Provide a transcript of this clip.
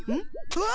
うわ！